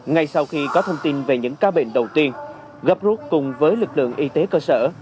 ngay sau khi có thông tin về những ca bệnh đầu tiên gấp rút cùng với lực lượng y tế cơ sở